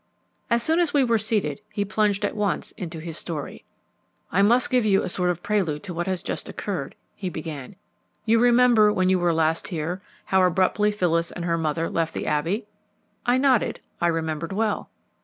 As soon as we were seated, he plunged at once into his story. "I must give you a sort of prelude to what has just occurred," he began. "You remember, when you were last here, how abruptly Phyllis and her mother left the Abbey?" I nodded. I remembered well.